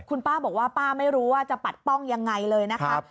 คุณป้าบอกว่าป้าไม่รู้ว่าจะปัดป้องยังไงเลยนะคะ